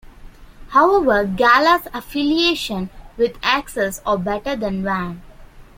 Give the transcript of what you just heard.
However, Gala's affiliation with axes are better than Vahn.